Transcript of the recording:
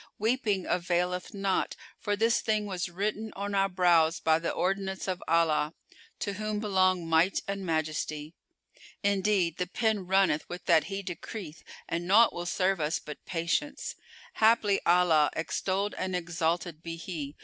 Weeping availeth not; for this thing was written on our brows by the ordinance of Allah, to whom belong Might and Majesty. Indeed, the Pen runneth with that He decreeth and nought will serve us but patience: haply Allah (extolled and exalted be He!)